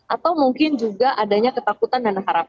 atau mungkin juga adanya ketakutan dan harapan